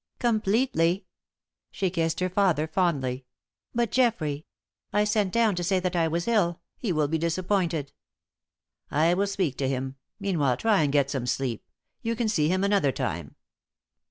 "Completely." She kissed her father fondly. "But Geoffrey! I sent down to say that I was ill; he will be disappointed." "I will speak to him. Meanwhile try and get some sleep. You can see him another time."